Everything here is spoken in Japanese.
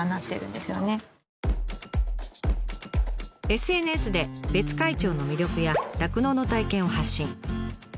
ＳＮＳで別海町の魅力や酪農の体験を発信。